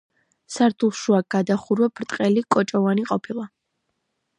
სართულშუა გადახურვა ბრტყელი, კოჭოვანი ყოფილა.